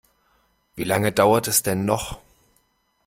Wie lange dauert es denn noch?